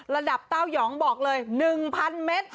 ระดับเต้าหยองบอกเลย๑๐๐๐เม็ด